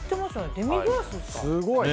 デミグラスですか。